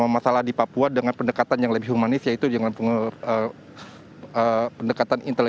masalah di papua dengan pendekatan yang lebih humanis yaitu dengan pendekatan intelijen